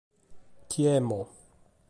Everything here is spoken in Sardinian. Chi emmo.